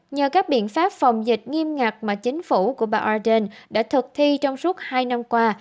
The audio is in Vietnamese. nhờ các biện pháp phòng dịch nghiêm ngặt mà chính phủ của bà aden đã thực thi trong suốt hai năm qua